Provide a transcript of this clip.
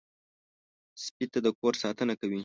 سپي د کور ساتنه کوي.